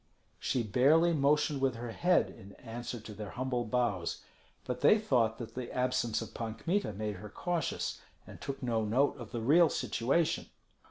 She barely motioned with her head in answer to their humble bows; but they thought that the absence of Pan Kmita made her cautious, and took no note of the real situation.